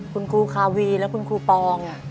คุณครูคาวีและคุณครูปอง